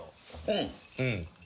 うん。